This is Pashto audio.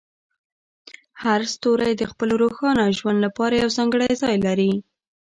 هر ستوری د خپل روښانه ژوند لپاره یو ځانګړی ځای لري.